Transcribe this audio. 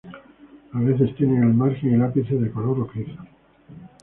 A veces tienen el margen y el ápice de color rojizo.